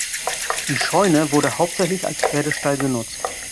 Die Scheune wurde hauptsächlich als Pferdestall genutzt.